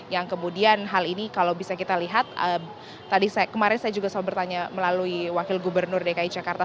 yang kemudian hal ini kalau bisa kita lihat tadi kemarin saya juga selalu bertanya melalui wakil gubernur dki jakarta